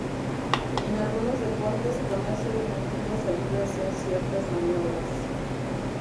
En algunos deportes ponerse de puntillas ayuda a hacer ciertas maniobras.